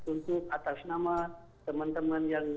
untuk atas nama teman teman yang